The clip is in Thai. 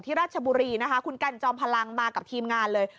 ราชบุรีนะคะคุณกันจอมพลังมากับทีมงานเลย